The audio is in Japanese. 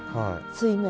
水面。